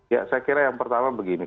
ya saya kira yang pertama begini